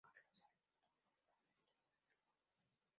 Carlos Arturo Valenzuela del Olmo